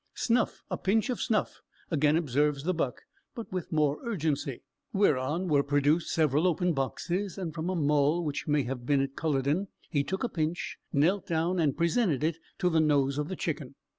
"Snuff! a pinch of snuff!" again observes the buck but with more urgency; whereon were produced several open boxes, and from a mull which may have been at Culloden, he took a pinch, knelt down, and presented it to the nose of the Chicken.